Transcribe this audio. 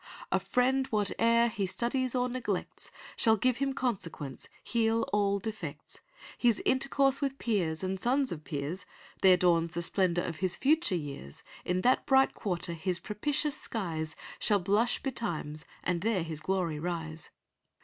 A friend whate'er he studies or neglects, Shall give him consequence, heal all defects. His intercourse with peers and sons of peers— There dawns the splendour of his future years; In that bright quarter his propitious skies Shall blush betimes, and there his glory rise.